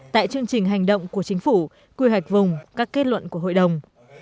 tại chương trình hành động của chính phủ quy hoạch vùng các kết luận của hội đồng